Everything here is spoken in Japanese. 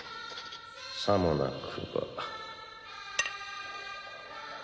さもなくば。